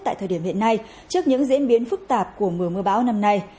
tại thời điểm hiện nay trước những diễn biến phức tạp của mưa bão năm nay